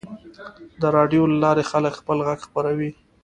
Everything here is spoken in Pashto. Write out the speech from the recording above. د راډیو له لارې خلک خپل غږ خپروي.